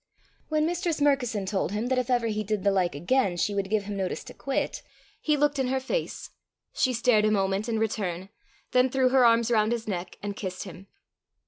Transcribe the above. When Mistress Murkison told him that if ever he did the like again, she would give him notice to quit, he looked in her face: she stared a moment in return, then threw her arms round his neck, and kissed him.